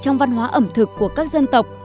trong văn hóa ẩm thực của các dân tộc